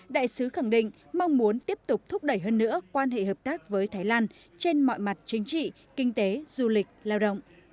đại sứ khẳng định mong muốn tiếp tục thúc đẩy hơn nữa quan hệ hợp tác với thái lan trên mọi mặt chính trị kinh tế du lịch lao động